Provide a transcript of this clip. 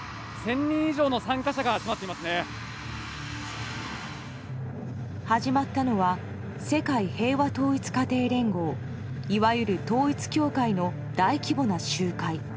１０００人以上の人が始まったのは世界平和統一家庭連合いわゆる統一教会の大規模な集会。